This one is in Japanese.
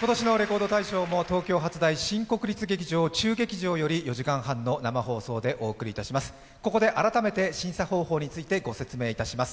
今年のレコード大賞も東京・初台の新国立劇場中劇場より４時間半の生放送でお届けしてまいります。